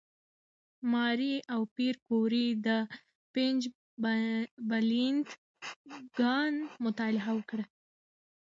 ماري او پېیر کوري د «پیچبلېند» کان مطالعه وکړه.